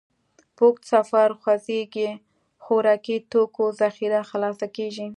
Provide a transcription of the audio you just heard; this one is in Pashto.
په اوږده سفر خوځېږئ، خوراکي توکو ذخیره خلاصه کېږي.